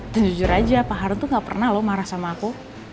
dan jujur aja pak hartawan tuh gak pernah loh marah sama aku